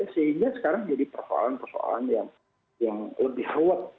sehingga sekarang jadi persoalan persoalan yang lebih ruwet